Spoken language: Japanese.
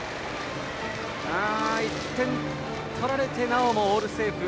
１点取られてなおもオールセーフ。